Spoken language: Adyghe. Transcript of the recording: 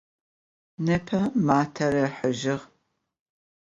Nêpe mater ıhıjığ.